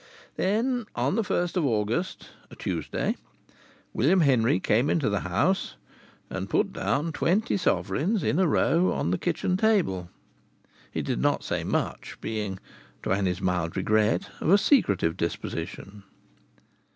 Then on the first of August (a Tuesday) William Henry came into the house and put down twenty sovereigns in a row on the kitchen table. He did not say much, being (to Annie's mild regret) of a secretive disposition.